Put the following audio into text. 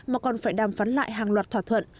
mà còn phải đàm phán lại hàng loạt thỏa thuận